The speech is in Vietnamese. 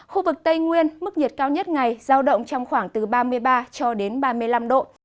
khu vực tây nguyên mức nhiệt cao nhất ngày giao động trong khoảng từ ba mươi ba cho đến ba mươi năm độ